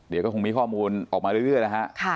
เดี๋ยวก็คงมีข้อมูลออกมาเรื่อยนะฮะ